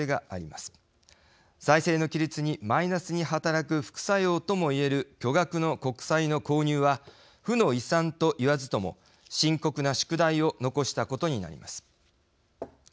財政の規律にマイナスに働く副作用ともいえる巨額の国債の購入は負の遺産と言わずとも深刻な宿題を残したことになります。